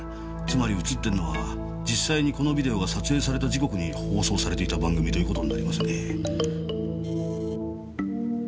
つまり映ってるのは実際にこのビデオが撮影された時刻に放送されていた番組という事になりますね。